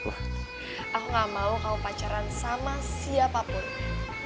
aku gak mau kamu pacaran sama siapapun